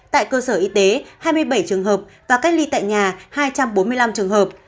tại cơ sở y tế hai mươi bảy trường hợp và cách ly tại nhà hai trăm bốn mươi năm trường hợp